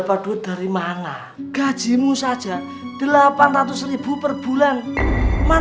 aku dari hati yg kesejahteraan